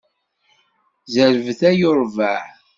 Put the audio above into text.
Zerbet ay urbaε!